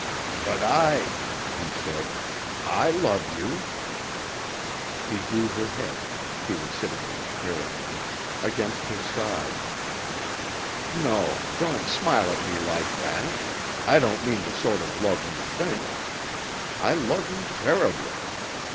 "But I" he said "I love you." He drew her head she was sitting in her chair again against his side. "No, don't smile at me like that; I don't mean the sort of love you think. I love you terribly.